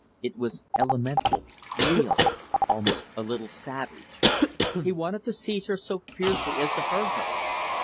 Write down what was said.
It was elemental, real, almost a little savage. He wanted to seize her so fiercely as to hurt her.